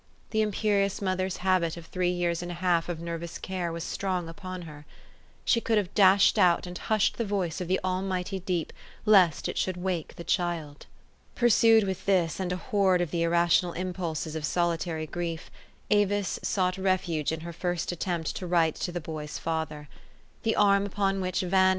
The imperious mother's habit of three years and a half of nervous care was strong upon her. She could have dashed out and hushed the voice of the almighty deep, lest it should wake the child. Pursued with this and a horde of the irrational impulses of solitary grief, Avis sought refuge in her first attempt to write to the boy's father. The arm 380 THE STORY OF AVIS. upon which Van.